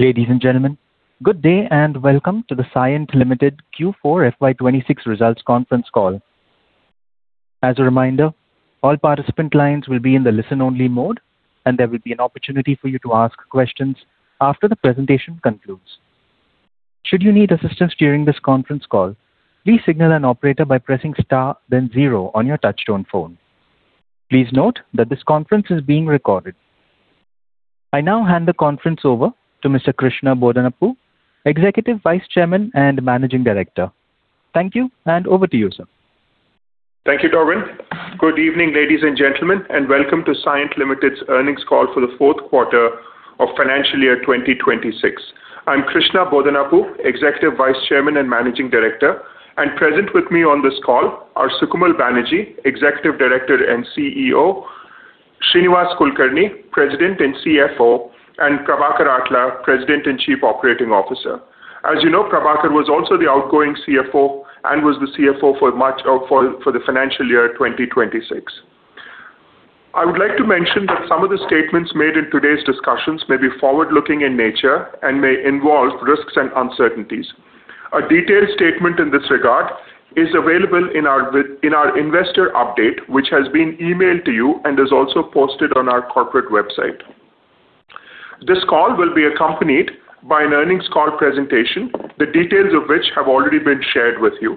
Ladies and gentlemen, good day and welcome to the Cyient Ltd Q4 FY 2026 results conference call. As a reminder, all participant lines will be in the listen-only mode, and there will be an opportunity for you to ask questions after the presentation concludes. Should you need assistance during this conference call, please signal an operator by pressing star then zero on your touchtone phone. Please note that this conference is being recorded. I now hand the conference over to Mr. Krishna Bodanapu, Executive Vice Chairman and Managing Director. Thank you, and over to you, sir. Thank you, Darwin. Good evening, ladies and gentlemen, and welcome to Cyient Ltd's earnings call for the fourth quarter of financial year 2026. I'm Krishna Bodanapu, Executive Vice Chairman and Managing Director, and present with me on this call are Sukamal Banerjee, Executive Director and CEO, Shrinivas Kulkarni, President and CFO, and Prabhakar Atla, President and Chief Operating Officer. As you know, Prabhakar was also the outgoing CFO and was the CFO for the financial year 2026. I would like to mention that some of the statements made in today's discussions may be forward-looking in nature and may involve risks and uncertainties. A detailed statement in this regard is available in our investor update, which has been emailed to you and is also posted on our corporate website. This call will be accompanied by an earnings call presentation, the details of which have already been shared with you.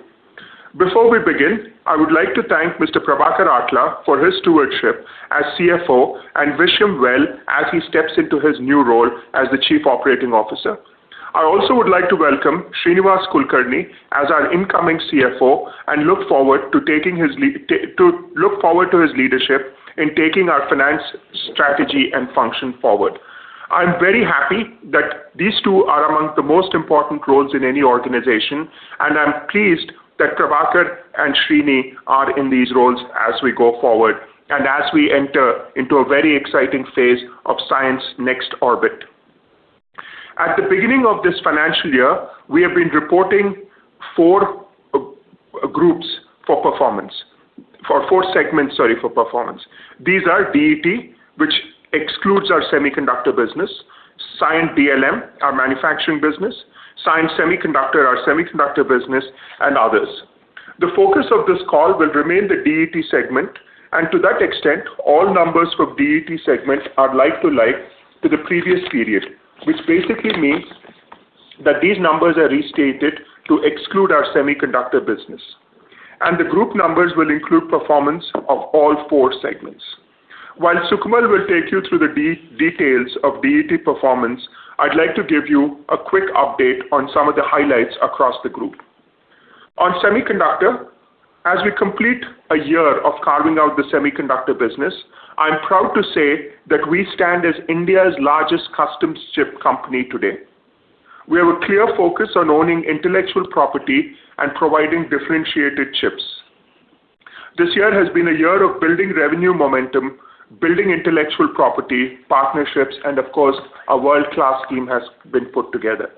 Before we begin, I would like to thank Mr. Prabhakar Atla for his stewardship as CFO and wish him well as he steps into his new role as the Chief Operating Officer. I also would like to welcome Shrinivas Kulkarni as our incoming CFO and look forward to his leadership in taking our finance strategy and function forward. I'm very happy that these two are among the most important roles in any organization, and I'm pleased that Prabhakar and Shrini are in these roles as we go forward and as we enter into a very exciting phase of Cyient's next orbit. At the beginning of this financial year, we have been reporting four segments for performance. These are DET, which excludes our semiconductor business, Cyient DLM, our manufacturing business, Cyient Semiconductors, our semiconductor business, and others. The focus of this call will remain the DET segment, and to that extent, all numbers for DET segment are like-to-like to the previous period, which basically means that these numbers are restated to exclude our semiconductor business. The group numbers will include performance of all four segments. While Sukamal will take you through the details of DET performance, I'd like to give you a quick update on some of the highlights across the group. On semiconductor, as we complete a year of carving out the semiconductor business, I'm proud to say that we stand as India's largest custom chip company today. We have a clear focus on owning intellectual property and providing differentiated chips. This year has been a year of building revenue momentum, building intellectual property, partnerships, and of course, a world-class team has been put together.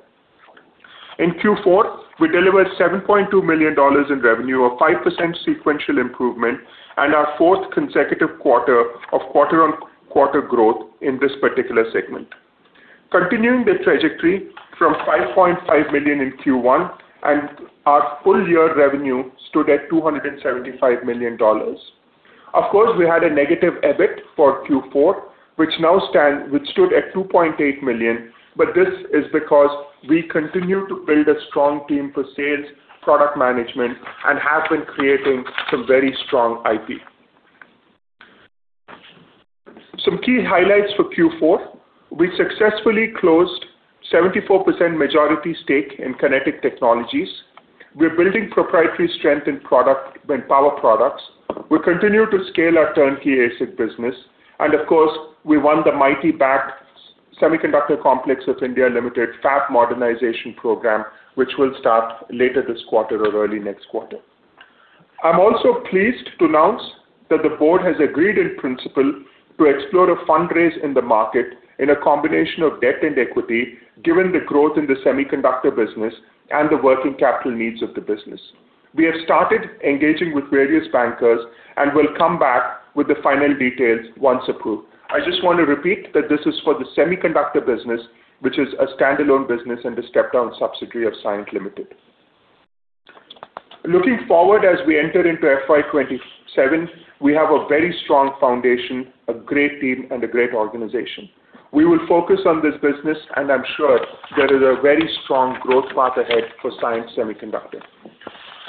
In Q4, we delivered $7.2 million in revenue, a 5% sequential improvement and our fourth consecutive quarter of quarter-on-quarter growth in this particular segment. Continuing the trajectory from $5.5 million in Q1, and our full year revenue stood at $275 million. Of course, we had a -$2.8 million EBIT for Q4, but this is because we continue to build a strong team for sales, product management, and have been creating some very strong IP. Some key highlights for Q4. We successfully closed 74% majority stake in Kinetic Technologies. We're building proprietary strength in power products. We continue to scale our turnkey ASIC business. Of course, we won the MeitY-backed Semiconductor Complex Limited fab modernization program, which will start later this quarter or early next quarter. I'm also pleased to announce that the board has agreed in principle to explore a fundraise in the market in a combination of debt and equity, given the growth in the semiconductor business and the working capital needs of the business. We have started engaging with various bankers and will come back with the final details once approved. I just want to repeat that this is for the semiconductor business, which is a standalone business and a step-down subsidiary of Cyient Ltd. Looking forward as we enter into FY 2027, we have a very strong foundation, a great team, and a great organization. We will focus on this business, and I'm sure there is a very strong growth path ahead for Cyient Semiconductors.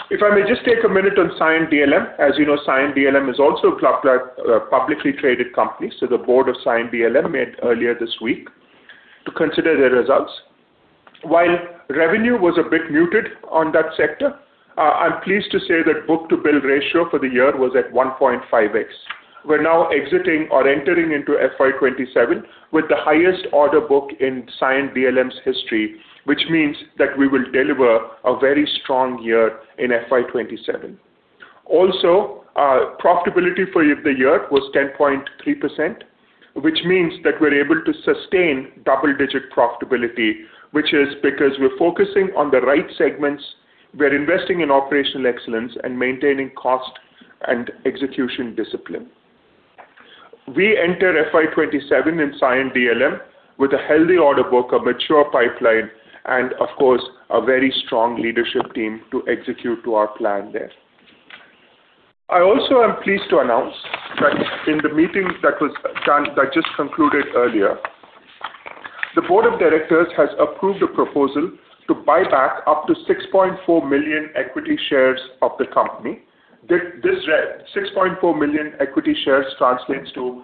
If I may just take a minute on Cyient DLM. As you know, Cyient DLM is also a publicly traded company, so the board of Cyient DLM met earlier this week to consider their results. While revenue was a bit muted on that sector, I'm pleased to say that book-to-bill ratio for the year was at 1.5x. We're now exiting or entering into FY 2027 with the highest order book in Cyient DLM's history, which means that we will deliver a very strong year in FY 2027. Also, profitability for the year was 10.3%, which means that we're able to sustain double-digit profitability, which is because we're focusing on the right segments, we're investing in operational excellence, and maintaining cost and execution discipline. We enter FY 2027 and Cyient DLM with a healthy order book, a mature pipeline, and of course, a very strong leadership team to execute to our plan there. I also am pleased to announce that in the meeting that just concluded earlier, the Board of Directors has approved a proposal to buy back up to 6.4 million equity shares of the company. This read, 6.4 million equity shares translates to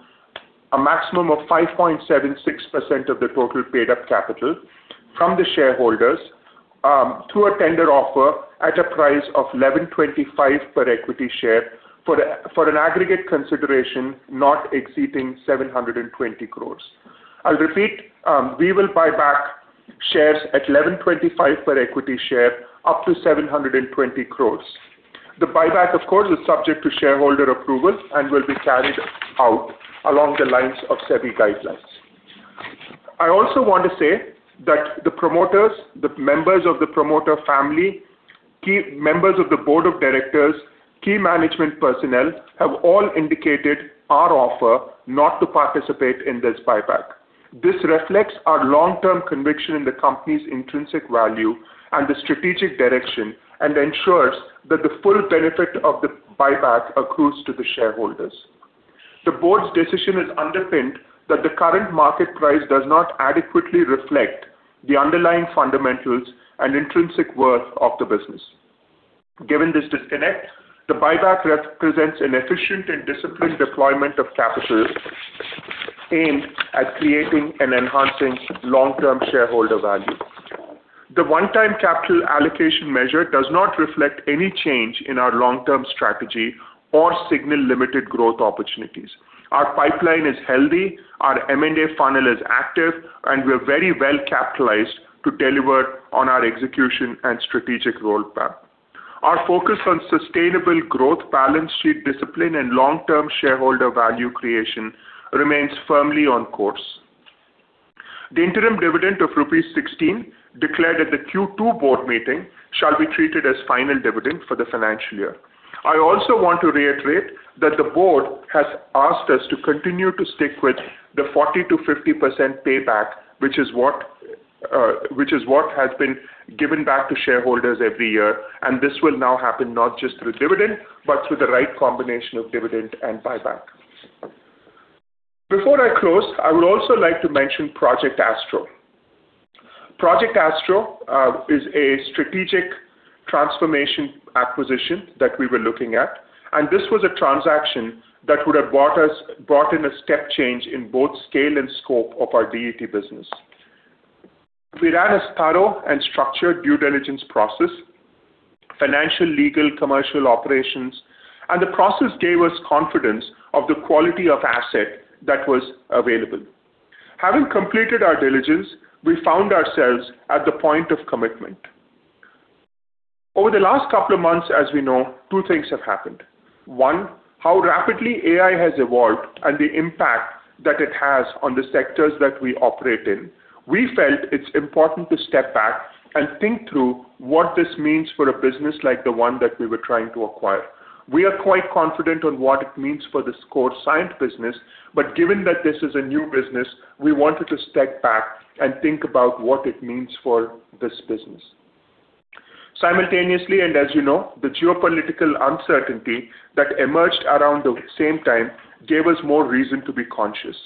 a maximum of 5.76% of the total paid-up capital from the shareholders through a tender offer at a price of $11.25 per equity share for an aggregate consideration not exceeding 720 crores. I'll repeat, we will buy back shares at $11.25 per equity share up to 720 crores. The buyback, of course, is subject to shareholder approval and will be carried out along the lines of SEBI guidelines. I also want to say that the promoters, the members of the promoter family, key members of the Board of Directors, key management personnel, have all indicated our offer not to participate in this buyback. This reflects our long-term conviction in the company's intrinsic value and the strategic direction and ensures that the full benefit of the buyback accrues to the shareholders. The board's decision is underpinned that the current market price does not adequately reflect the underlying fundamentals and intrinsic worth of the business. Given this disconnect, the buyback represents an efficient and disciplined deployment of capital aimed at creating and enhancing long-term shareholder value. The one-time capital allocation measure does not reflect any change in our long-term strategy or signal limited growth opportunities. Our pipeline is healthy, our M&A funnel is active, and we're very well capitalized to deliver on our execution and strategic roadmap. Our focus on sustainable growth, balance sheet discipline, and long-term shareholder value creation remains firmly on course. The interim dividend of rupees 16 declared at the Q2 board meeting shall be treated as final dividend for the financial year. I also want to reiterate that the board has asked us to continue to stick with the 40%-50% payback, which is what has been given back to shareholders every year, and this will now happen not just through dividend, but through the right combination of dividend and buyback. Before I close, I would also like to mention Project Astro. Project Astro is a strategic transformation acquisition that we were looking at, and this was a transaction that would have brought in a step change in both scale and scope of our DET business. We ran a thorough and structured due diligence process, financial, legal, commercial operations, and the process gave us confidence of the quality of asset that was available. Having completed our diligence, we found ourselves at the point of commitment. Over the last couple of months, as we know, two things have happened. One, how rapidly AI has evolved and the impact that it has on the sectors that we operate in. We felt it's important to step back and think through what this means for a business like the one that we were trying to acquire. We are quite confident on what it means for this core Cyient business, but given that this is a new business, we wanted to step back and think about what it means for this business. Simultaneously, and as you know, the geopolitical uncertainty that emerged around the same time gave us more reason to be conscious.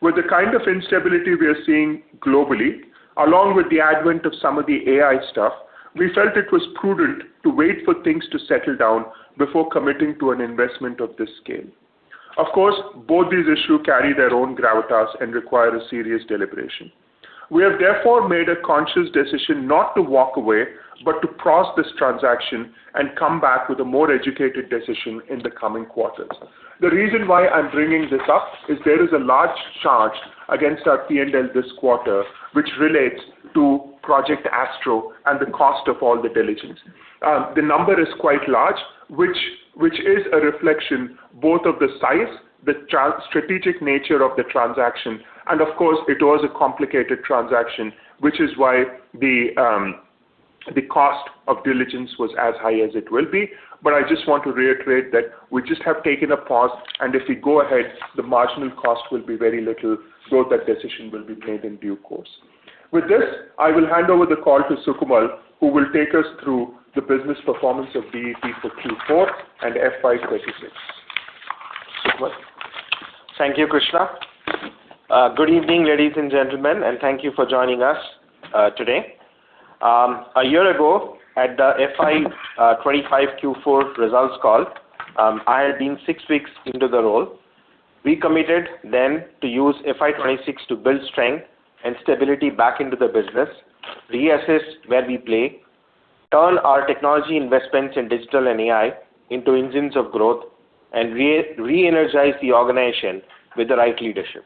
With the kind of instability we are seeing globally, along with the advent of some of the AI stuff, we felt it was prudent to wait for things to settle down before committing to an investment of this scale. Of course, both these issues carry their own gravitas and require a serious deliberation. We have therefore made a conscious decision not to walk away, but to pause this transaction and come back with a more educated decision in the coming quarters. The reason why I'm bringing this up is there is a large charge against our P&L this quarter, which relates to Project Astro and the cost of all the diligence. The number is quite large, which is a reflection both of the size, the strategic nature of the transaction, and of course, it was a complicated transaction, which is why the cost of diligence was as high as it will be. I just want to reiterate that we just have taken a pause, and if we go ahead, the marginal cost will be very little, so that decision will be made in due course. With this, I will hand over the call to Sukamal, who will take us through the business performance of DET for Q4 and FY 2026. Sukamal? Thank you, Krishna. Good evening, ladies and gentlemen, and thank you for joining us today. A year ago, at the FY 2025 Q4 results call, I had been six weeks into the role. We committed then to use FY 2026 to build strength and stability back into the business, reassess where we play, turn our technology investments in digital and AI into engines of growth, and re-energize the organization with the right leadership.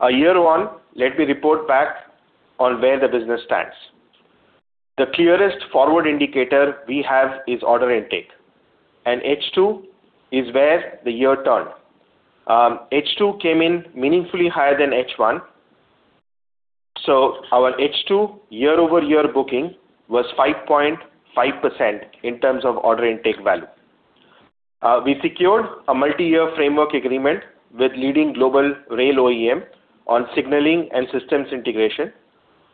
A year on, let me report back on where the business stands. The clearest forward indicator we have is order intake, and H2 is where the year turned. H2 came in meaningfully higher than H1. Our H2 year-over-year booking was 5.5% in terms of order intake value. We secured a multi-year framework agreement with a leading global rail OEM on signaling and systems integration,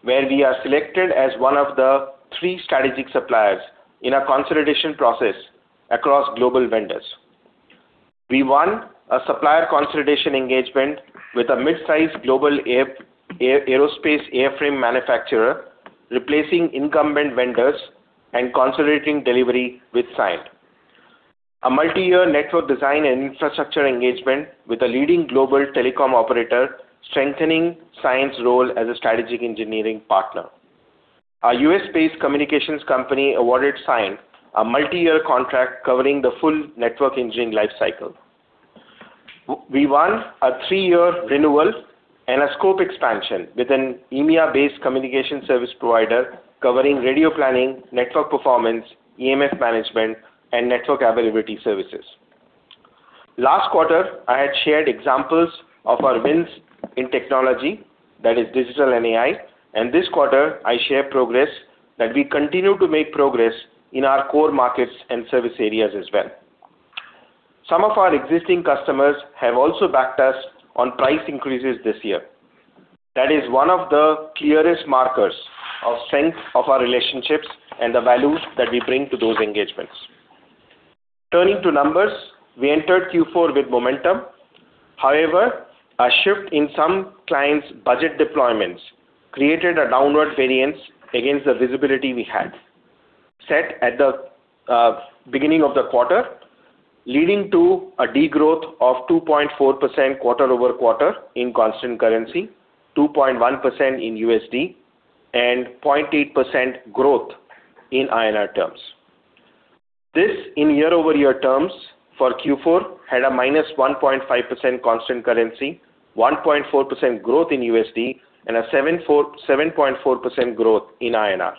where we are selected as one of the three strategic suppliers in a consolidation process across global vendors. We won a supplier consolidation engagement with a mid-size global aerospace airframe manufacturer, replacing incumbent vendors and consolidating delivery with Cyient. A multi-year network design and infrastructure engagement with a leading global telecom operator, strengthening Cyient's role as a strategic engineering partner. A U.S.-based communications company awarded Cyient a multi-year contract covering the full network engineering life cycle. We won a three-year renewal and a scope expansion with an EMEA-based communication service provider covering radio planning, network performance, EMF management, and network availability services. Last quarter, I had shared examples of our wins in technology that is digital and AI, and this quarter I share progress that we continue to make progress in our core markets and service areas as well. Some of our existing customers have also backed us on price increases this year. That is one of the clearest markers of strength of our relationships and the values that we bring to those engagements. Turning to numbers, we entered Q4 with momentum. However, a shift in some clients' budget deployments created a downward variance against the visibility we had set at the beginning of the quarter, leading to a degrowth of 2.4% quarter-over-quarter in constant currency, 2.1% in USD, and 0.8% growth in INR terms. This, in year-over-year terms for Q4, had a -1.5% constant currency, 1.4% growth in USD, and a 7.4% growth in INR.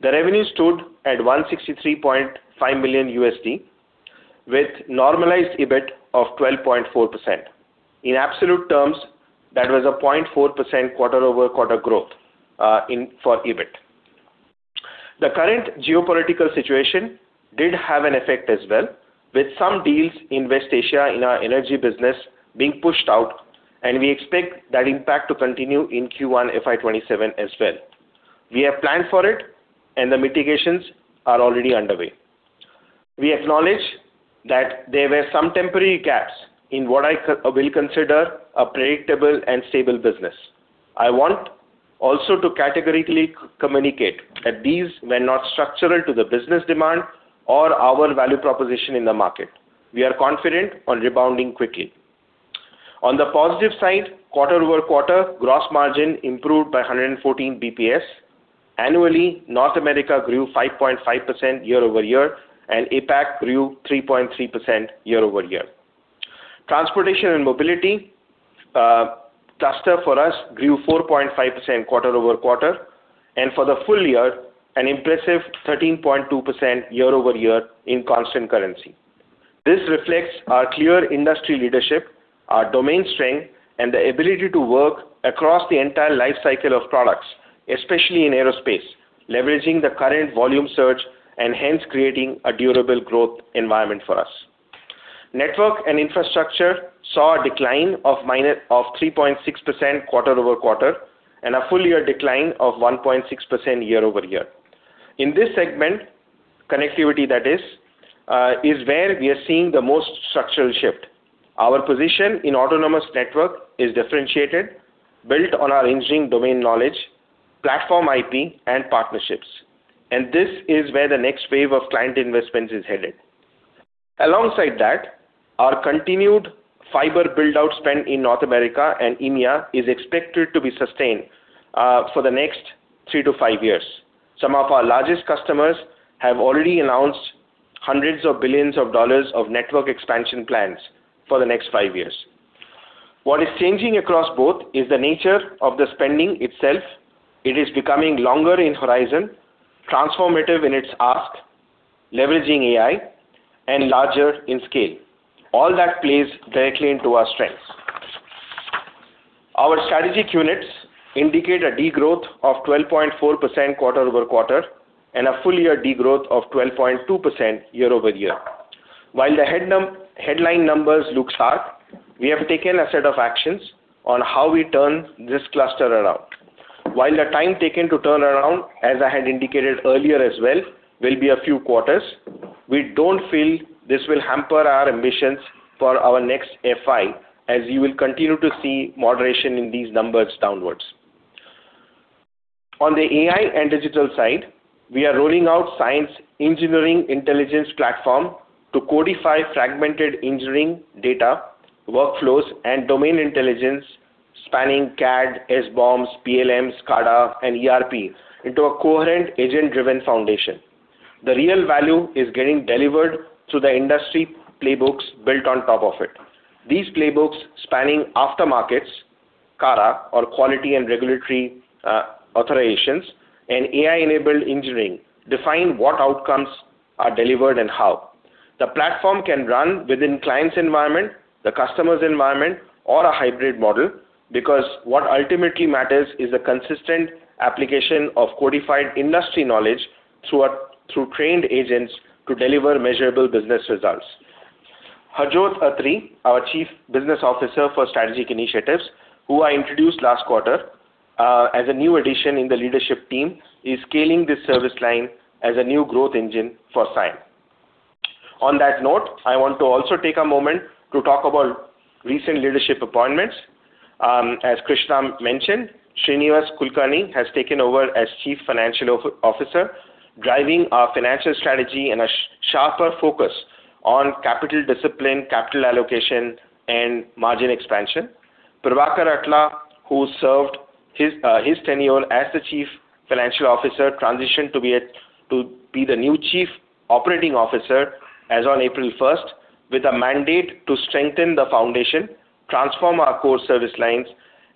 The revenue stood at $163.5 million with normalized EBIT of 12.4%. In absolute terms, that was a 0.4% quarter-over-quarter growth for EBIT. The current geopolitical situation did have an effect as well, with some deals in West Asia in our energy business being pushed out, and we expect that impact to continue in Q1 FY 2027 as well. We have planned for it, and the mitigations are already underway. We acknowledge that there were some temporary gaps in what I will consider a predictable and stable business. I want also to categorically communicate that these were not structural to the business demand or our value proposition in the market. We are confident on rebounding quickly. On the positive side, quarter-over-quarter, gross margin improved by 114 basis points. Annually, North America grew 5.5% year-over-year, and APAC grew 3.3% year-over-year. Transportation and Mobility cluster for us grew 4.5% quarter-over-quarter, and for the full year, an impressive 13.2% year-over-year in constant currency. This reflects our clear industry leadership, our domain strength, and the ability to work across the entire life cycle of products, especially in aerospace, leveraging the current volume surge and hence creating a durable growth environment for us. Network and infrastructure saw a decline of 3.6% quarter-over-quarter and a full year decline of 1.6% year-over-year. In this segment, connectivity that is where we are seeing the most structural shift. Our position in autonomous network is differentiated, built on our engineering domain knowledge, platform IP, and partnerships. This is where the next wave of client investments is headed. Alongside that, our continued fiber build-out spend in North America and EMEA is expected to be sustained for the next 3-5 years. Some of our largest customers have already announced hundreds of billions of dollars of network expansion plans for the next 5 years. What is changing across both is the nature of the spending itself. It is becoming longer in horizon, transformative in its ask, leveraging AI, and larger in scale. All that plays directly into our strengths. Our strategic units indicate a degrowth of 12.4% quarter-over-quarter and a full year degrowth of 12.2% year-over-year. While the headline numbers look hard, we have taken a set of actions on how we turn this cluster around. While the time taken to turn around, as I had indicated earlier as well, will be a few quarters, we don't feel this will hamper our ambitions for our next FI, as you will continue to see moderation in these numbers downwards. On the AI and digital side, we are rolling out Cyient's engineering intelligence platform to codify fragmented engineering data, workflows, and domain intelligence spanning CAD, SBOMs, PLM, SCADA, and ERP into a coherent agent-driven foundation. The real value is getting delivered through the industry playbooks built on top of it. These playbooks spanning aftermarkets, QARA or quality and regulatory authorizations, and AI-enabled engineering define what outcomes are delivered and how. The platform can run within client's environment, the customer's environment, or a hybrid model, because what ultimately matters is the consistent application of codified industry knowledge through trained agents to deliver measurable business results. Harjott Atrii, our Chief Business Officer for strategic initiatives, who I introduced last quarter as a new addition in the leadership team, is scaling this service line as a new growth engine for Cyient. On that note, I want to also take a moment to talk about recent leadership appointments. As Krishna mentioned, Shrinivas Kulkarni has taken over as Chief Financial Officer, driving our financial strategy and a sharper focus on capital discipline, capital allocation and margin expansion. Prabhakar Atla, who served his tenure as the Chief Financial Officer, transitioned to be the new Chief Operating Officer as on April 1st, with a mandate to strengthen the foundation, transform our core service lines,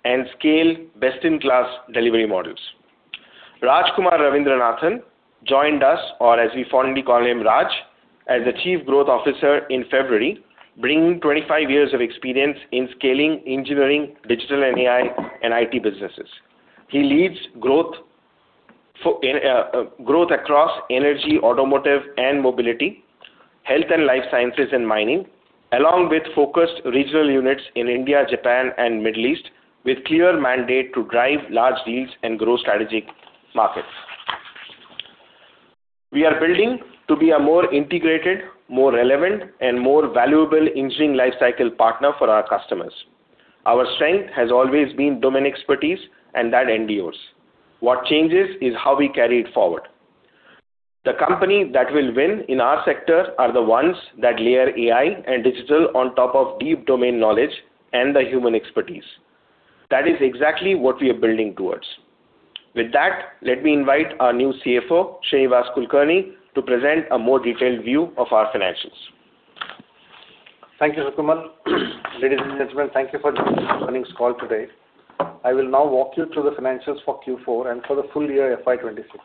and scale best-in-class delivery models. Rajkumar Ravindranathan joined us, or as we fondly call him, Raj, as the Chief Growth Officer in February, bringing 25 years of experience in scaling, engineering, digital and AI and IT businesses. He leads growth across energy, automotive and mobility, health and life sciences, and mining, along with focused regional units in India, Japan, and Middle East, with clear mandate to drive large deals and grow strategic markets. We are building to be a more integrated, more relevant, and more valuable engineering lifecycle partner for our customers. Our strength has always been domain expertise and that endures. What changes is how we carry it forward. The company that will win in our sector are the ones that layer AI and digital on top of deep domain knowledge and the human expertise. That is exactly what we are building towards. With that, let me invite our new CFO, Shrinivas Kulkarni, to present a more detailed view of our financials. Thank you, Sukamal. Ladies and gentlemen, thank you for joining this earnings call today. I will now walk you through the financials for Q4 and for the full year FY 2026.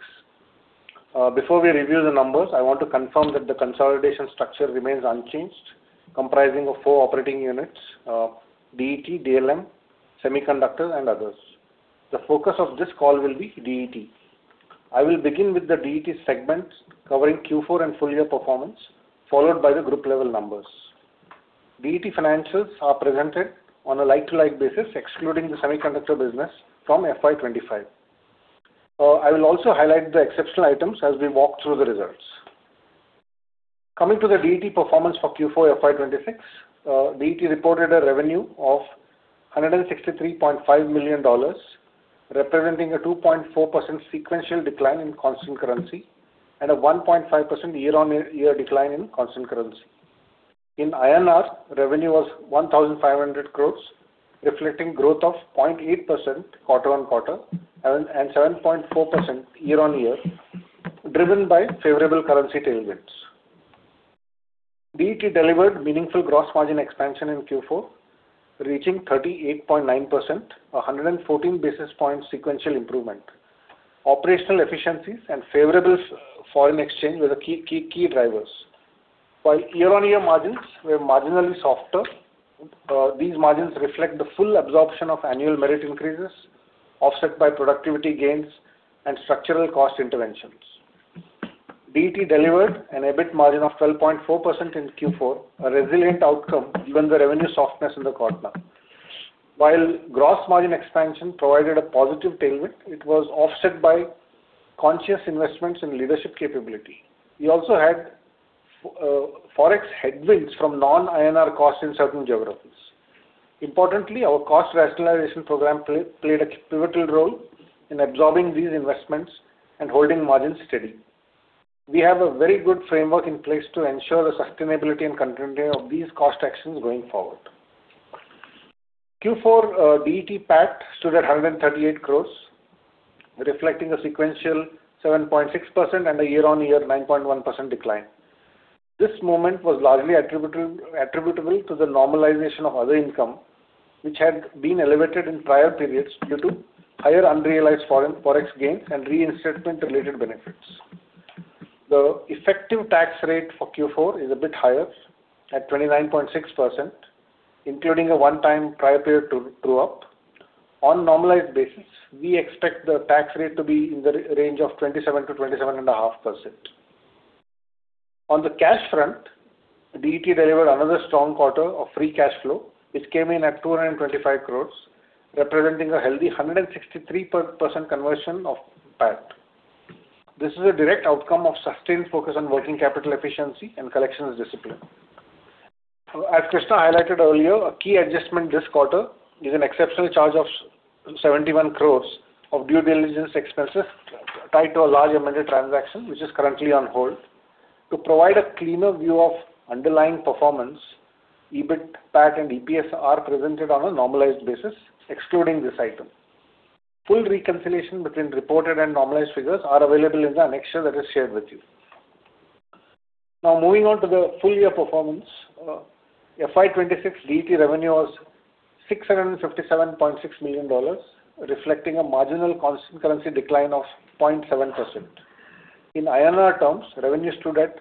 Before we review the numbers, I want to confirm that the consolidation structure remains unchanged, comprising four operating units, DET, DLM, Semiconductor, and others. The focus of this call will be DET. I will begin with the DET segment covering Q4 and full year performance, followed by the group level numbers. DET financials are presented on a like-for-like basis, excluding the Semiconductor business from FY 2025. I will also highlight the exceptional items as we walk through the results. Coming to the DET performance for Q4 FY 2026, DET reported a revenue of $163.5 million, representing a 2.4% sequential decline in constant currency and a 1.5% year-on-year decline in constant currency. In INR, revenue was 1,500 crores, reflecting growth of 0.8% quarter-over-quarter and 7.4% year-on-year, driven by favorable currency tailwinds. DET delivered meaningful gross margin expansion in Q4, reaching 38.9%, 114 basis points sequential improvement. Operational efficiencies and favorable foreign exchange were the key drivers. While year-over-year margins were marginally softer, these margins reflect the full absorption of annual merit increases, offset by productivity gains and structural cost interventions. DET delivered an EBIT margin of 12.4% in Q4, a resilient outcome given the revenue softness in the quarter. While gross margin expansion provided a positive tailwind, it was offset by conscious investments in leadership capability. We also had Forex headwinds from non-INR costs in certain geographies. Importantly, our cost rationalization program played a pivotal role in absorbing these investments and holding margins steady. We have a very good framework in place to ensure the sustainability and continuity of these cost actions going forward. Q4 DET PAT stood at 138 crore, reflecting a sequential 7.6% and a year-on-year 9.1% decline. This movement was largely attributable to the normalization of other income, which had been elevated in prior periods due to higher unrealized foreign Forex gains and reinstatement related benefits. The effective tax rate for Q4 is a bit higher at 29.6%, including a one-time prior period true-up. On normalized basis, we expect the tax rate to be in the range of 27%-27.5%. On the cash front, DET delivered another strong quarter of free cash flow, which came in at 225 crore, representing a healthy 163% conversion of PAT. This is a direct outcome of sustained focus on working capital efficiency and collections discipline. As Krishna highlighted earlier, a key adjustment this quarter is an exceptional charge of 71 crores of due diligence expenses tied to a large M&A transaction, which is currently on hold. To provide a cleaner view of underlying performance, EBIT, PAT and EPS are presented on a normalized basis excluding this item. Full reconciliation between reported and normalized figures are available in the annexure that is shared with you. Now moving on to the full year performance. FY 2026 DET revenue was $657.6 million, reflecting a marginal constant currency decline of 0.7%. In INR terms, revenue stood at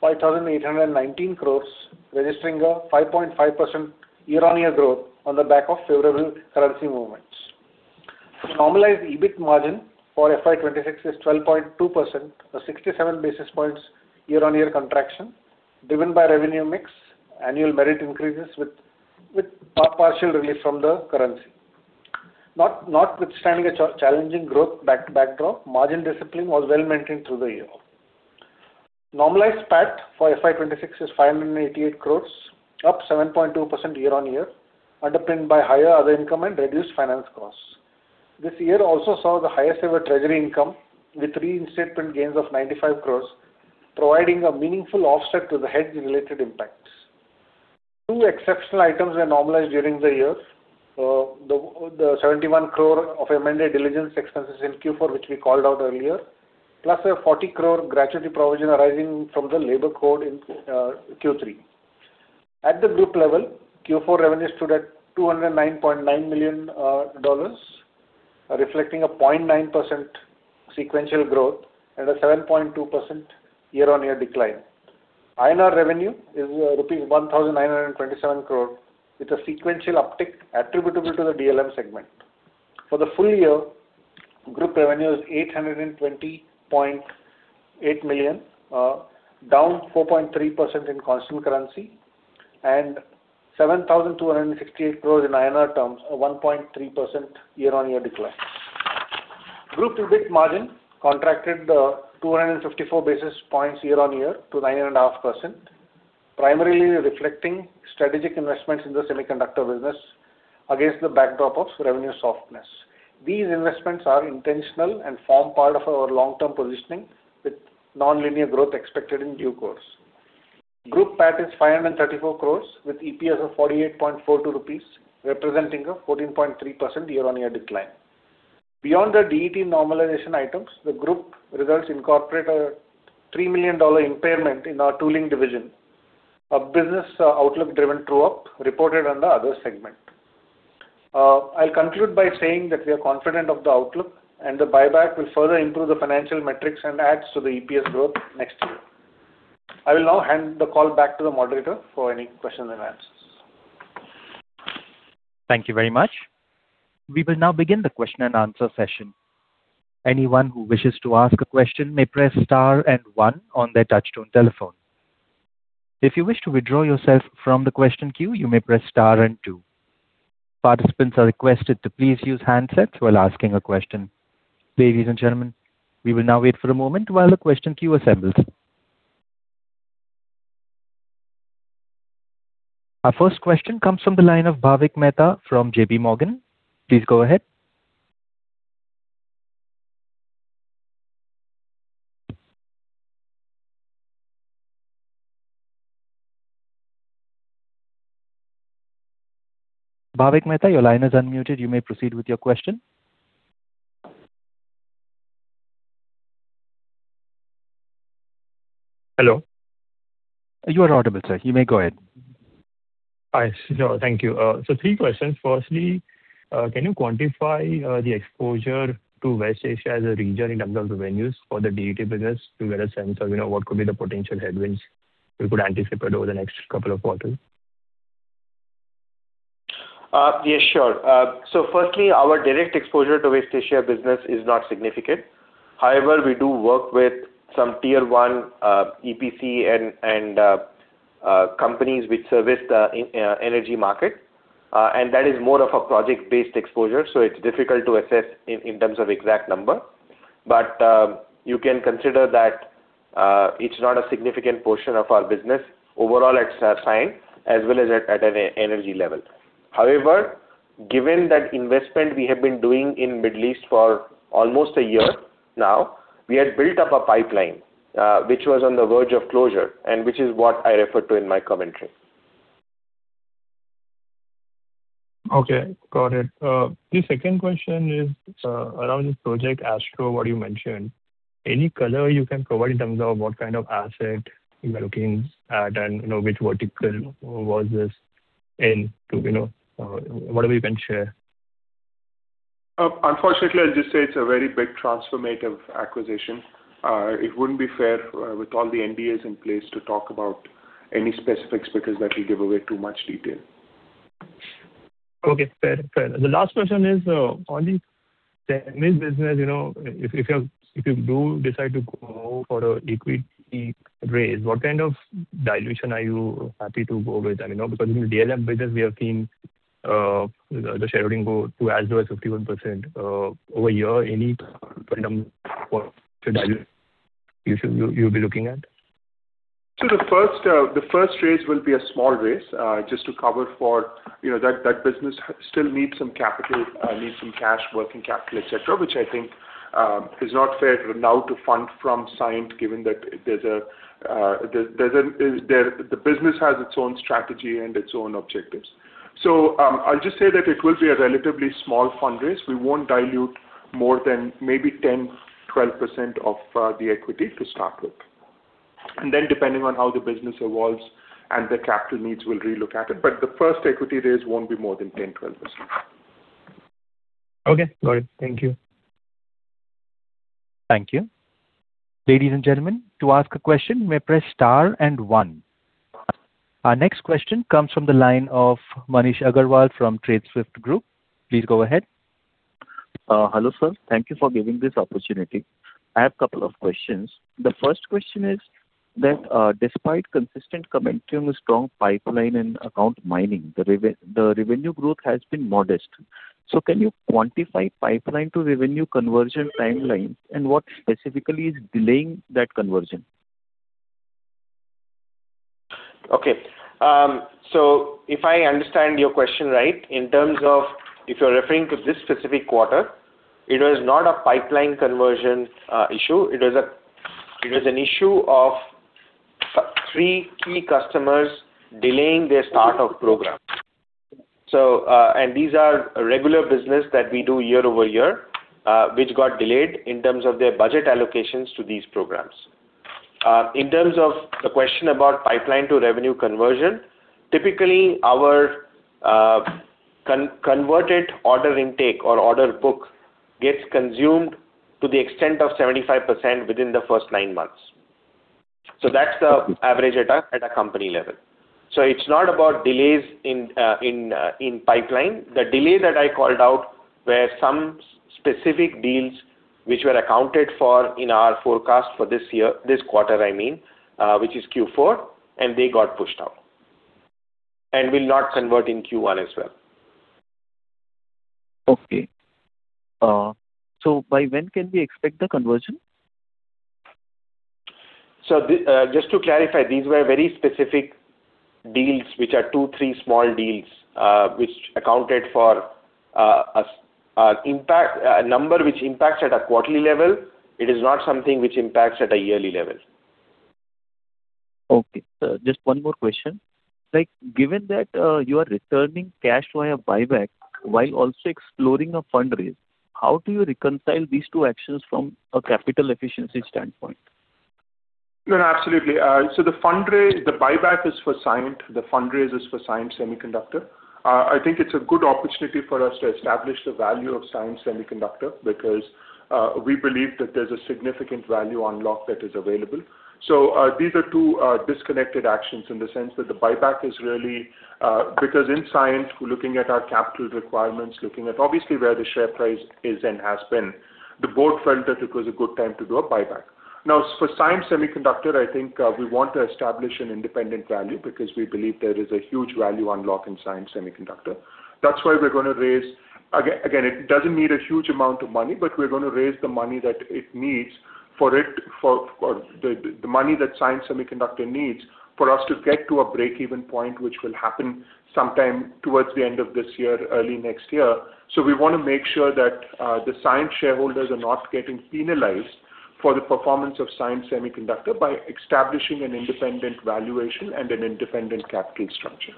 5,819 crores, registering a 5.5% year-on-year growth on the back of favorable currency movements. Normalized EBIT margin for FY 2026 is 12.2%, a 67 basis points year-on-year contraction driven by revenue mix, annual merit increases with partial relief from the currency. Notwithstanding a challenging growth backdrop, margin discipline was well maintained through the year. Normalized PAT for FY 2026 is 588 crores, up 7.2% year-on-year, underpinned by higher other income and reduced finance costs. This year also saw the highest ever treasury income, with reinstatement gains of 95 crores, providing a meaningful offset to the hedge related impacts. Two exceptional items were normalized during the year, the 71 crore of M&A diligence expenses in Q4, which we called out earlier, plus a 40 crore gratuity provision arising from the labor code in Q3. At the group level, Q4 revenue stood at $209.9 million, reflecting a 0.9% sequential growth and a 7.2% year-on-year decline. INR revenue is rupees 1,927 crore with a sequential uptick attributable to the DLM segment. For the full year, group revenue is $820.8 million, down 4.3% in constant currency and 7,268 crores INR in INR terms, a 1.3% year-on-year decline. Group EBIT margin contracted 254 basis points year-on-year to 9.5%, primarily reflecting strategic investments in the semiconductor business against the backdrop of revenue softness. These investments are intentional and form part of our long-term positioning, with nonlinear growth expected in due course. Group PAT is 534 crores with EPS of 48.42 rupees, representing a 14.3% year-on-year decline. Beyond the DET normalization items, the group results incorporate a $3 million impairment in our tooling division, a business outlook driven true-up reported on the other segment. I'll conclude by saying that we are confident of the outlook, and the buyback will further improve the financial metrics and adds to the EPS growth next year. I will now hand the call back to the moderator for any questions and answers. Thank you very much. We will now begin the question and answer session. Anyone who wishes to ask a question may press star and one on their touchtone telephone. If you wish to withdraw yourself from the question queue, you may press star and two. Participants are requested to please use handsets while asking a question. Ladies and gentlemen, we will now wait for a moment while the question queue assembles. Our first question comes from the line of Bhavik Mehta from JPMorgan. Please go ahead. Bhavik Mehta, your line is unmuted. You may proceed with your question. Hello? You are audible, sir. You may go ahead. Hi. Thank you. Three questions. Firstly, can you quantify the exposure to West Asia as a region in terms of revenues for the DET business to get a sense of what could be the potential headwinds we could anticipate over the next couple of quarters? Yes, sure. Firstly, our direct exposure to West Asia business is not significant. However, we do work with some tier one EPC and companies which service the energy market. That is more of a project-based exposure, so it's difficult to assess in terms of exact number. You can consider that it's not a significant portion of our business. Overall, it's Cyient as well as at an energy level. However, given that investment we have been doing in Middle East for almost a year now, we had built up a pipeline, which was on the verge of closure and which is what I referred to in my commentary. Okay, got it. The second question is around this Project Astro, what you mentioned. Any color you can provide in terms of what kind of asset you are looking at, and which vertical was this in? What have you been sharing? Unfortunately, I'll just say it's a very big transformative acquisition. It wouldn't be fair with all the NDAs in place to talk about any specifics because that will give away too much detail. Okay, fair. The last question is on the business, if you do decide to go for an equity raise, what kind of dilution are you happy to go with? I mean, because in the DLM business we have seen the shareholding go to as low as 51% over here. Any kind of dilution you'll be looking at? The first raise will be a small raise, just to cover for that business. That business still needs some capital, needs some cash, working capital, et cetera, which I think is not fair now to fund from Cyient, given that the business has its own strategy and its own objectives. I'll just say that it will be a relatively small fundraise. We won't dilute more than maybe 10%-12% of the equity to start with. Then depending on how the business evolves and the capital needs, we'll relook at it. The first equity raise won't be more than 10%-12%. Okay, got it. Thank you. Thank you. Ladies and gentlemen, to ask a question, you may press star and one. Our next question comes from the line of Manish Agarwal from TradeSwift Group. Please go ahead. Hello, sir. Thank you for giving this opportunity. I have couple of questions. The first question is that, despite consistent momentum, strong pipeline, and account mining, the revenue growth has been modest. Can you quantify pipeline to revenue conversion timelines and what specifically is delaying that conversion? Okay. If I understand your question right, in terms of if you're referring to this specific quarter, it was not a pipeline conversion issue. It was an issue of three key customers delaying their start of program. These are regular business that we do year over year, which got delayed in terms of their budget allocations to these programs. In terms of the question about pipeline to revenue conversion, typically, our converted order intake or order book gets consumed to the extent of 75% within the first nine months. That's the average at a company level. It's not about delays in pipeline. The delay that I called out were some specific deals which were accounted for in our forecast for this year, this quarter, I mean, which is Q4, and they got pushed out. Will not convert in Q1 as well. Okay. By when can we expect the conversion? Just to clarify, these were very specific deals, which are two, three small deals, which accounted for a number which impacts at a quarterly level. It is not something which impacts at a yearly level. Okay. Just one more question. Given that you are returning cash via buyback while also exploring a fundraise, how do you reconcile these two actions from a capital efficiency standpoint? No, absolutely. The buyback is for Cyient. The fundraise is for Cyient Semiconductors. I think it's a good opportunity for us to establish the value of Cyient Semiconductors, because we believe that there's a significant value unlock that is available. These are two disconnected actions in the sense that the buyback is really because in Cyient, we're looking at our capital requirements, looking at obviously where the share price is and has been. The board felt that it was a good time to do a buyback. Now, for Cyient Semiconductors, I think we want to establish an independent value because we believe there is a huge value unlock in Cyient Semiconductors. That's why we're going to raise, again, it doesn't need a huge amount of money, but we're going to raise the money that Cyient Semiconductors needs for us to get to a breakeven point, which will happen sometime towards the end of this year, early next year. We want to make sure that the Cyient shareholders are not getting penalized for the performance of Cyient Semiconductors by establishing an independent valuation and an independent capital structure.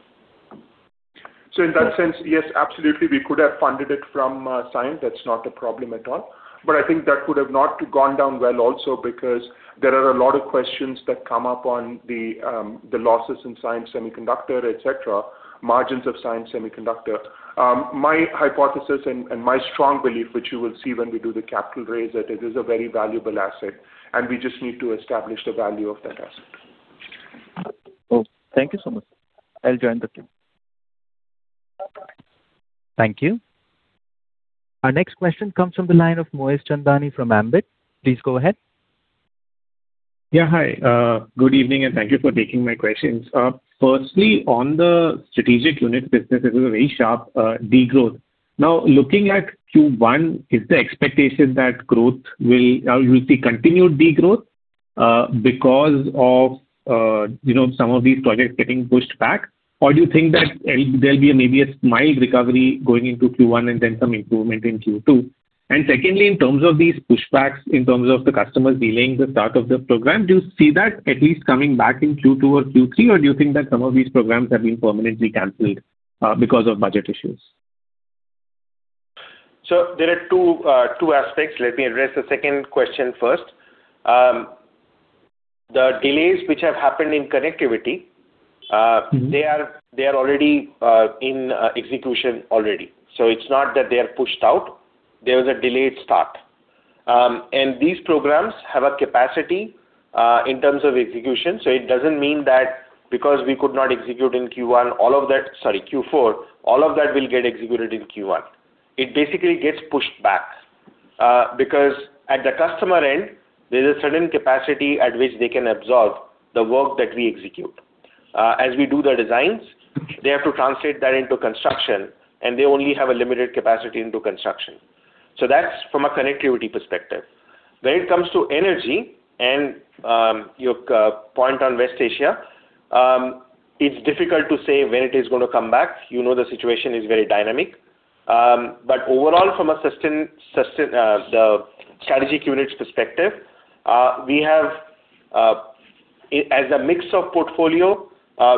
In that sense, yes, absolutely, we could have funded it from Cyient. That's not a problem at all. I think that could have not gone down well also because there are a lot of questions that come up on the losses in Cyient Semiconductors, et cetera, margins of Cyient Semiconductors. My hypothesis and my strong belief, which you will see when we do the capital raise, that it is a very valuable asset, and we just need to establish the value of that asset. Cool. Thank you so much. I'll join the queue. Thank you. Our next question comes from the line of Moez Chandani from Ambit. Please go ahead. Yeah, hi. Good evening, and thank you for taking my questions. Firstly, on the strategic unit business, it was a very sharp degrowth. Now looking at Q1, is the expectation that we'll see continued degrowth because of some of these projects getting pushed back? Do you think that there'll be maybe a mild recovery going into Q1 and then some improvement in Q2? Secondly, in terms of these pushbacks, in terms of the customers delaying the start of the program, do you see that at least coming back in Q2 or Q3? Do you think that some of these programs have been permanently canceled because of budget issues? There are two aspects. Let me address the second question first. The delays which have happened in connectivity. Mm-hmm. They are already in execution. It's not that they are pushed out. There was a delayed start. These programs have a capacity in terms of execution. It doesn't mean that because we could not execute in Q4, all of that will get executed in Q1. It basically gets pushed back. Because at the customer end, there's a certain capacity at which they can absorb the work that we execute. As we do the designs, they have to translate that into construction, and they only have a limited capacity into construction. That's from a connectivity perspective. When it comes to energy and your point on West Asia, it's difficult to say when it is going to come back. You know the situation is very dynamic. Overall, from a strategic units perspective, as a mix of portfolio,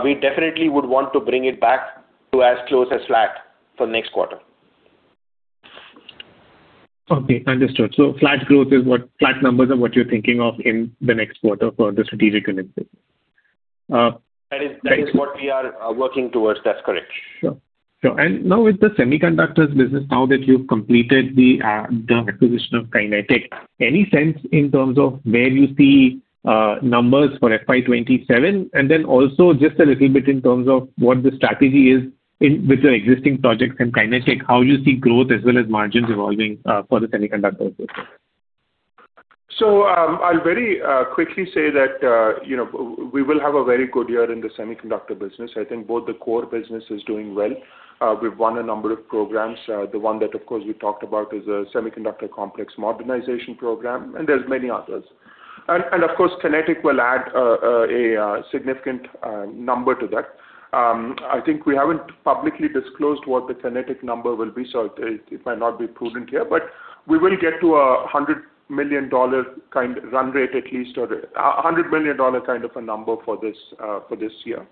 we definitely would want to bring it back to as close as flat for next quarter. Okay, understood. Flat numbers are what you're thinking of in the next quarter for the strategic initiatives. That is what we are working towards. That's correct. Sure. Now with the semiconductors business, now that you've completed the acquisition of Kinetic Technologies, any sense in terms of where you see numbers for FY 2027? Also just a little bit in terms of what the strategy is with your existing projects in Kinetic Technologies, how you see growth as well as margins evolving for the semiconductor business. I'll very quickly say that we will have a very good year in the semiconductor business. I think both the core business is doing well. We've won a number of programs. The one that, of course, we talked about is a Semiconductor Complex modernization program, and there's many others. Of course, Kinetic will add a significant number to that. I think we haven't publicly disclosed what the Kinetic number will be, so it might not be prudent here, but we will get to a $100 million kind of run rate at least or $100 million kind of a number for this year.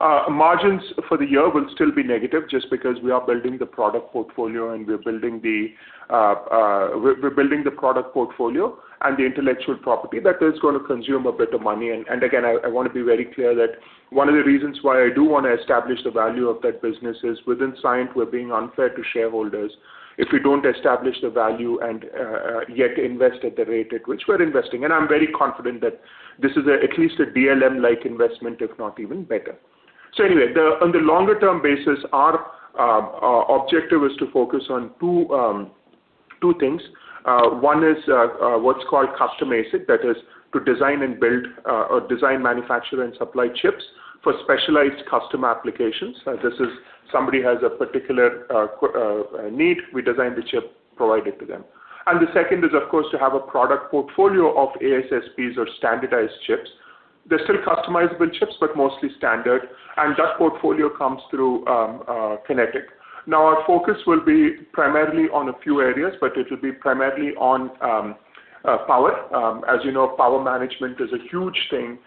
Margins for the year will still be negative just because we are building the product portfolio and the intellectual property. That is going to consume a bit of money. Again, I want to be very clear that one of the reasons why I do want to establish the value of that business is within Cyient we're being unfair to shareholders if we don't establish the value and yet invest at the rate at which we're investing. I'm very confident that this is at least a DLM-like investment, if not even better. Anyway, on the longer-term basis, our objective is to focus on two things. One is what's called custom ASIC. That is to design and build or design, manufacture, and supply chips for specialized customer applications. This is somebody has a particular need, we design the chip, provide it to them. The second is, of course, to have a product portfolio of ASSP or standardized chips. They're still customizable chips, but mostly standard. That portfolio comes through Kinetic. Our focus will be primarily on a few areas, but it will be primarily on power. As you know, power management is a huge thing,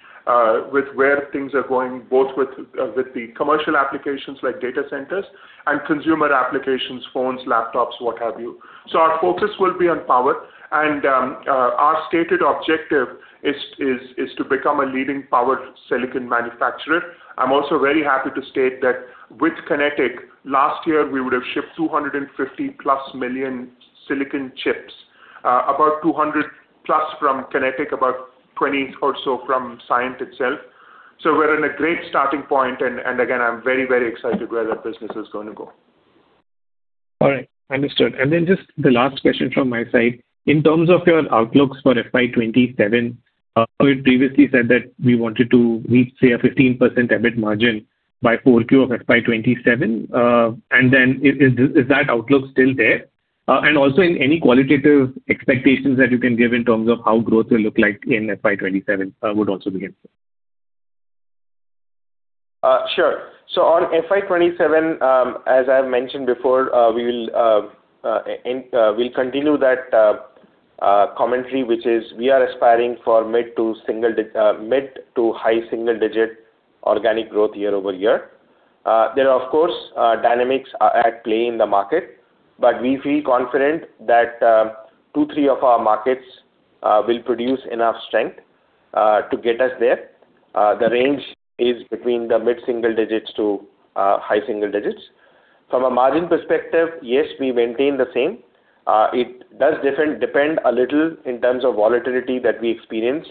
with where things are going, both with the commercial applications like data centers and consumer applications, phones, laptops, what have you. Our focus will be on power and our stated objective is to become a leading power silicon manufacturer. I'm also very happy to state that with Kinetic last year, we would have shipped +250 million silicon chips, about +200 from Kinetic, about 20 or so from Cyient itself. We're in a great starting point, and again, I'm very excited where that business is going to go. All right. Understood. Just the last question from my side. In terms of your outlooks for FY 2027, you previously said that we wanted to reach, say, a 15% EBIT margin by full Q of FY 2027. Is that outlook still there? In any qualitative expectations that you can give in terms of how growth will look like in FY 2027 would also be helpful. Sure. On FY 2027, as I have mentioned before, we'll continue that commentary, which is we are aspiring for mid- to high single-digit% organic growth year-over-year. There are, of course, dynamics are at play in the market, but we feel confident that 2, 3 of our markets will produce enough strength to get us there. The range is between the mid-single digits to high single digits. From a margin perspective, yes, we maintain the same. It does depend a little in terms of volatility that we experience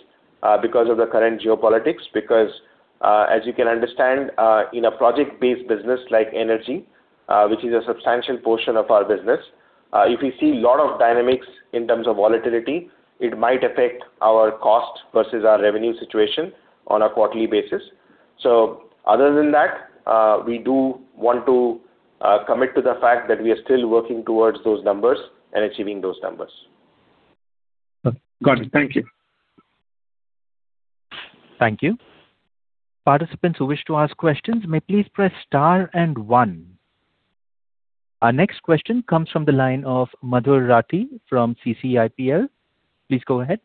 because of the current geopolitics, because as you can understand, in a project-based business like energy, which is a substantial portion of our business, if you see lot of dynamics in terms of volatility, it might affect our cost versus our revenue situation on a quarterly basis. Other than that, we do want to commit to the fact that we are still working towards those numbers and achieving those numbers. Got it. Thank you. Thank you. Participants who wish to ask questions may please press star and one. Our next question comes from the line of Madhur Rathi from CCIPL. Please go ahead.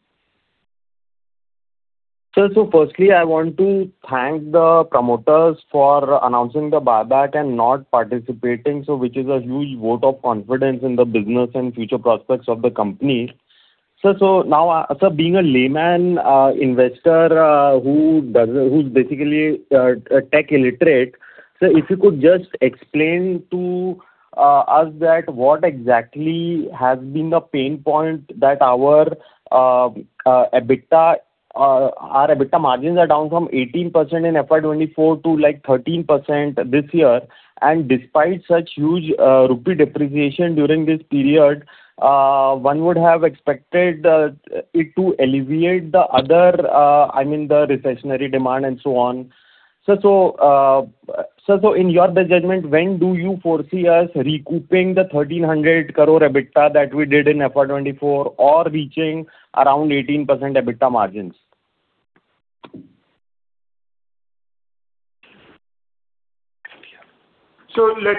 Sir, firstly, I want to thank the promoters for announcing the buyback and not participating, so which is a huge vote of confidence in the business and future prospects of the company. Sir, now, being a layman investor who's basically tech illiterate, sir, if you could just explain to us that what exactly has been the pain point that our EBITDA margins are down from 18% in FY 2024 to like 13% this year. Despite such huge rupee depreciation during this period, one would have expected it to alleviate the other, I mean, the recessionary demand and so on. Sir, in your best judgment, when do you foresee us recouping the 1,300 crore EBITDA that we did in FY 2024 or reaching around 18% EBITDA margins? Okay,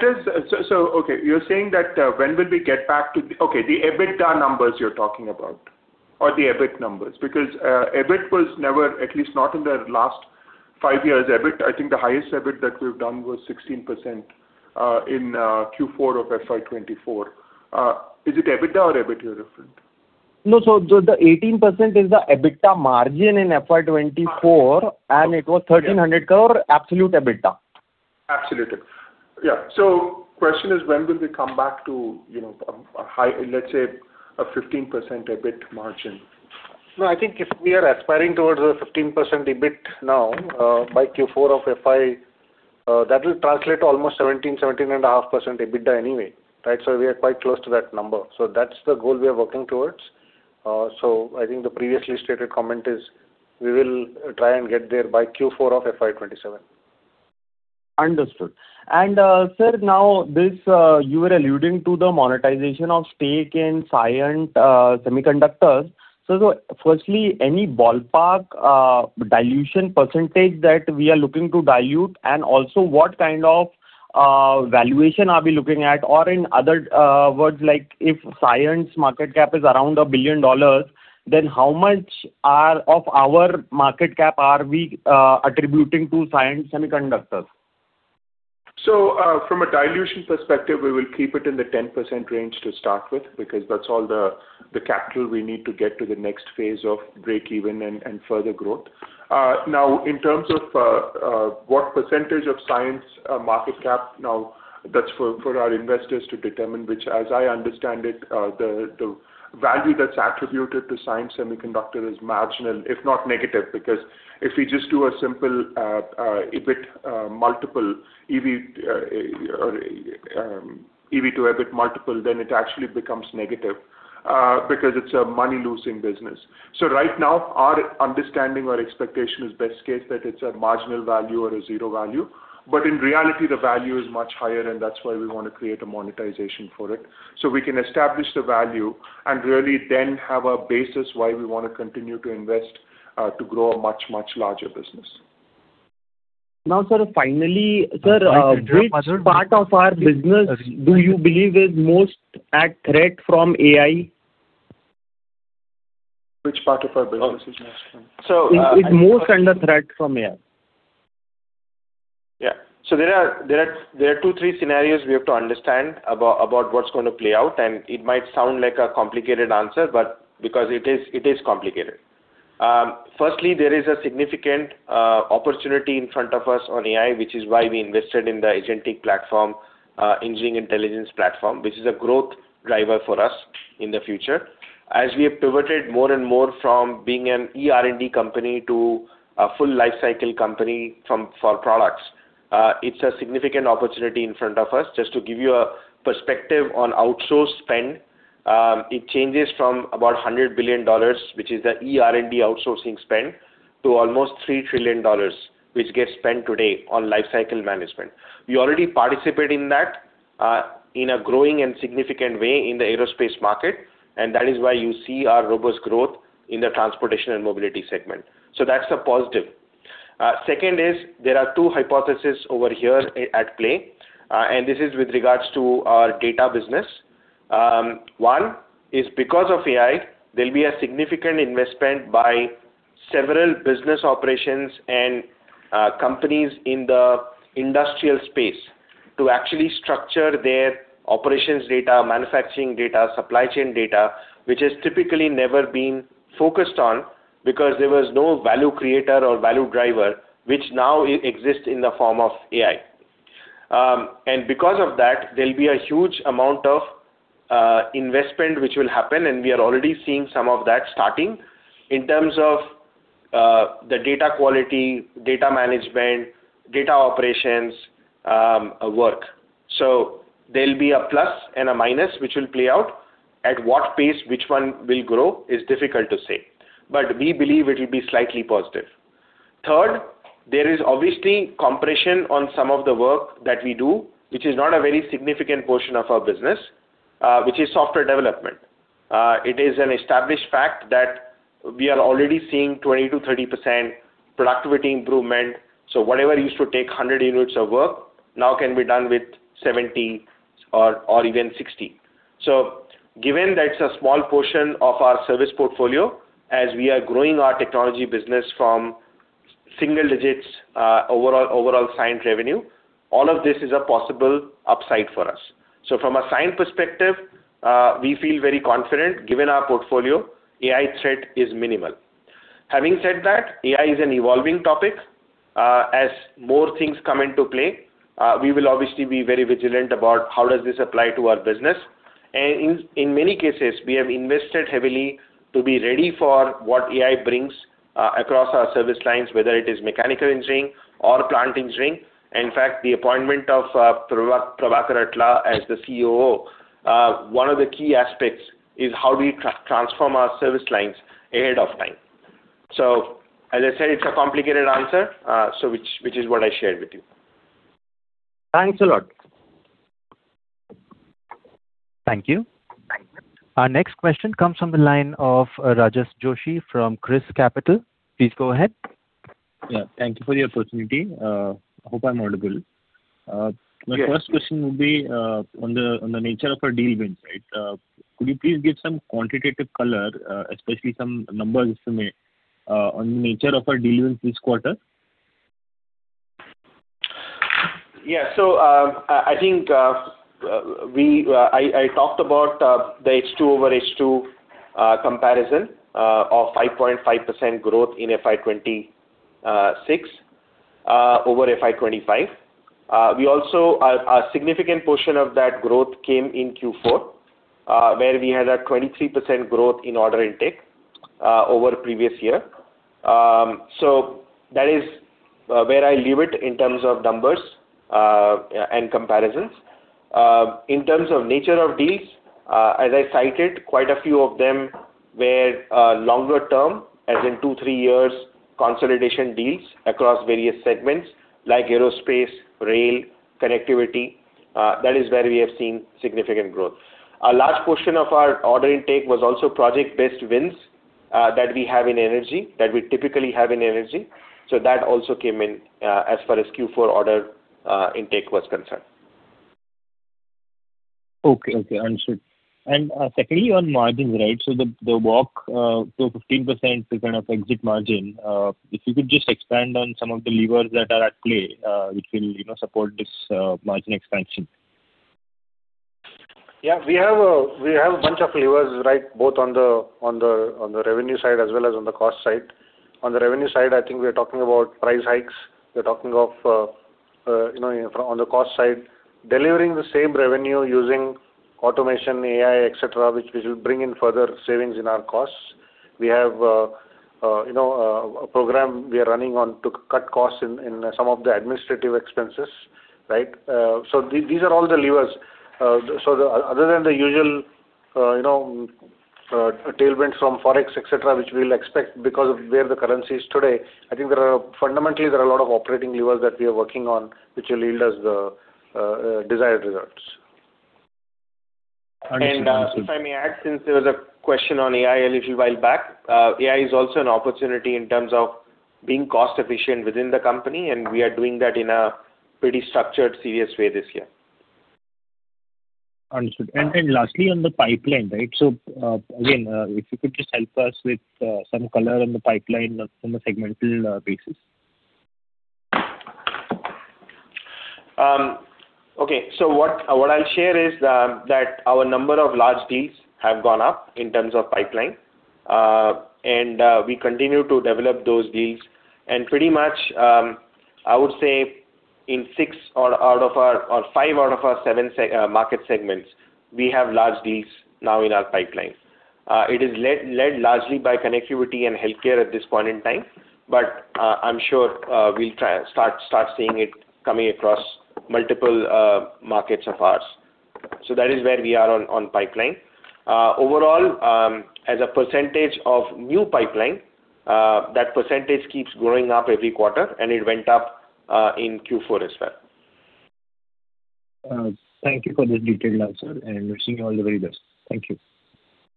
the EBITDA numbers you're talking about or the EBIT numbers, because EBIT was never, at least not in the last five years. I think the highest EBIT that we've done was 16% in Q4 of FY 2024. Is it EBITDA or EBIT you're referring to? No, the 18% is the EBITDA margin in FY 2024, and it was 1,300 crore absolute EBITDA. Absolutely. Yeah. The question is when will we come back to a high, let's say, a 15% EBIT margin? No, I think if we are aspiring towards a 15% EBIT now by Q4 of FY, that will translate almost 17%-17.5% EBITDA anyway, right? We are quite close to that number. That's the goal we are working towards. I think the previously stated comment is we will try and get there by Q4 of FY 2027. Understood. Sir, now this, you were alluding to the monetization of stake in Cyient Semiconductors. Firstly, any ballpark dilution percentage that we are looking to dilute? Also what kind of valuation are we looking at? In other words, if Cyient's market cap is around $1 billion, then how much of our market cap are we attributing to Cyient Semiconductors? From a dilution perspective, we will keep it in the 10% range to start with, because that's all the capital we need to get to the next phase of break even and further growth. Now, in terms of what percentage of Cyient's market cap, now, that's for our investors to determine, which, as I understand it, the value that's attributed to Cyient Semiconductors is marginal, if not negative. Because if we just do a simple EBIT multiple, EV to EBIT multiple, then it actually becomes negative, because it's a money-losing business. Right now, our understanding or expectation is best case, that it's a marginal value or a zero value. In reality, the value is much higher, and that's why we want to create a monetization for it, so we can establish the value and really then have a basis why we want to continue to invest to grow a much, much larger business. Now, sir, finally, sir, which part of our business do you believe is most at threat from AI? Which part of our business is most at threat? Is most under threat from AI. Yeah. There are two, three scenarios we have to understand about what's going to play out, and it might sound like a complicated answer, but because it is complicated. Firstly, there is a significant opportunity in front of us on AI, which is why we invested in the agentic platform, engineering intelligence platform, which is a growth driver for us in the future. As we have pivoted more and more from being an ER&D company to a full life cycle company for products, it's a significant opportunity in front of us. Just to give you a perspective on outsource spend, it changes from about $100 billion, which is the ER&D outsourcing spend, to almost $3 trillion, which gets spent today on life cycle management. We already participate in that in a growing and significant way in the aerospace market, and that is why you see our robust growth in the transportation and mobility segment. That's a positive. Second is there are two hypotheses over here at play, and this is with regards to our data business. One is because of AI, there'll be a significant investment by several business operations and companies in the industrial space to actually structure their operations data, manufacturing data, supply chain data, which has typically never been focused on because there was no value creator or value driver, which now exists in the form of AI. Because of that, there'll be a huge amount of investment which will happen, and we are already seeing some of that starting in terms of the data quality, data management, data operations work. There'll be a plus and a minus, which will play out. At what pace, which one will grow is difficult to say, but we believe it'll be slightly positive. Third, there is obviously compression on some of the work that we do, which is not a very significant portion of our business, which is software development. It is an established fact that we are already seeing 20%-30% productivity improvement. Whatever used to take 100 units of work now can be done with 70 or even 60. Given that's a small portion of our service portfolio, as we are growing our technology business from single digits overall Cyient revenue, all of this is a possible upside for us. From a Cyient perspective, we feel very confident given our portfolio, AI threat is minimal. Having said that, AI is an evolving topic. As more things come into play, we will obviously be very vigilant about how does this apply to our business. In many cases, we have invested heavily to be ready for what AI brings across our service lines, whether it is mechanical engineering or plant engineering. In fact, the appointment of Prabhakar Atla as the COO, one of the key aspects is how do we transform our service lines ahead of time. As I said, it's a complicated answer, which is what I shared with you. Thanks a lot. Thank you. Thank you. Our next question comes from the line of Rajas Joshi from ChrysCapital. Please go ahead. Yeah. Thank you for your opportunity. I hope I'm audible. My first question would be on the nature of our deal wins. Could you please give some quantitative color, especially some numbers, if you may, on nature of our deal wins this quarter? Yeah. I think I talked about the H2-over-H2 comparison of 5.5% growth in FY 2026 over FY 2025. A significant portion of that growth came in Q4, where we had a 23% growth in order intake over the previous year. That is where I leave it in terms of numbers and comparisons. In terms of nature of deals, as I cited, quite a few of them were longer term, as in two, three years consolidation deals across various segments like aerospace, rail, connectivity. That is where we have seen significant growth. A large portion of our order intake was also project-based wins that we have in energy, that we typically have in energy. That also came in as far as Q4 order intake was concerned. Okay. Understood. Secondly, on margins. The walk to 15% is kind of exit margin. If you could just expand on some of the levers that are at play, which will support this margin expansion. Yeah. We have a bunch of levers both on the revenue side as well as on the cost side. On the revenue side, I think we're talking about price hikes. We're talking of on the cost side, delivering the same revenue using automation, AI, et cetera, which will bring in further savings in our costs. We have a program we are running on to cut costs in some of the administrative expenses. These are all the levers. Other than the usual tailwinds from forex, et cetera, which we'll expect because of where the currency is today, I think fundamentally, there are a lot of operating levers that we are working on, which will yield us the desired results. Understood. If I may add, since there was a question on AI a little while back. AI is also an opportunity in terms of being cost-efficient within the company, and we are doing that in a pretty structured, serious way this year. Understood. Lastly, on the pipeline. Again, if you could just help us with some color on the pipeline on a segmental basis. Okay. What I'll share is that our number of large deals have gone up in terms of pipeline. We continue to develop those deals. Pretty much, I would say in 6 out of our, or 5 out of our 7 market segments, we have large deals now in our pipeline. It is led largely by connectivity and healthcare at this point in time, but I'm sure we'll start seeing it coming across multiple markets of ours. That is where we are on pipeline. Overall, as a percentage of new pipeline, that percentage keeps growing up every quarter, and it went up in Q4 as well. Thank you for the detailed answer, and wishing you all the very best. Thank you.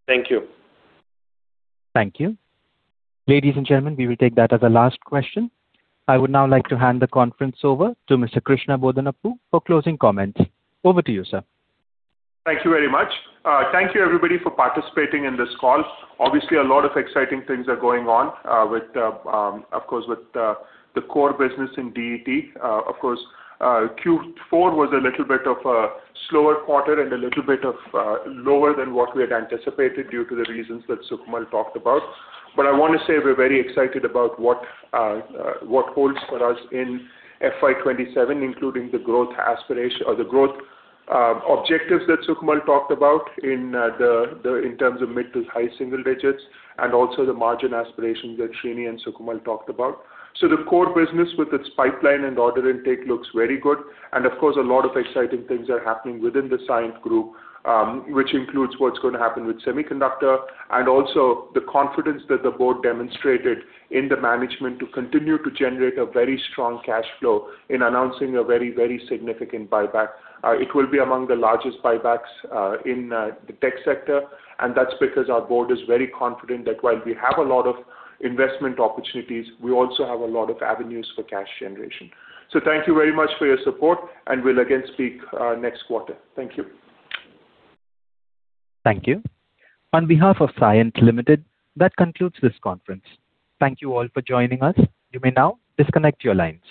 Thank you. Thank you. Ladies and gentlemen, we will take that as the last question. I would now like to hand the conference over to Mr. Krishna Bodanapu for closing comments. Over to you, sir. Thank you very much. Thank you everybody for participating in this call. Obviously, a lot of exciting things are going on, of course, with the core business in DET. Of course, Q4 was a little bit of a slower quarter and a little bit of lower than what we had anticipated due to the reasons that Sukamal talked about. I want to say we're very excited about what holds for us in FY 2027, including the growth aspiration or the growth objectives that Sukamal talked about in terms of mid- to high-single digits, and also the margin aspirations that Srini and Sukamal talked about. The core business with its pipeline and order intake looks very good. Of course, a lot of exciting things are happening within the Cyient group, which includes what's going to happen with semiconductor. The confidence that the board demonstrated in the management to continue to generate a very strong cash flow in announcing a very, very significant buyback. It will be among the largest buybacks in the tech sector, and that's because our board is very confident that while we have a lot of investment opportunities, we also have a lot of avenues for cash generation. Thank you very much for your support, and we'll again speak next quarter. Thank you. Thank you. On behalf of Cyient Ltd, that concludes this conference. Thank you all for joining us. You may now disconnect your lines.